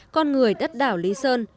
con người đất đảo lý sơn